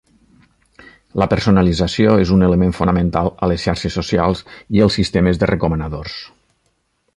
La personalització és un element fonamental a les xarxes socials i els sistemes de recomanadors.